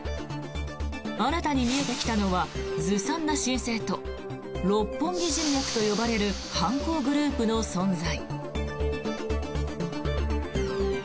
新たに見えてきたのはずさんな申請と六本木人脈と呼ばれる犯行グループの存在。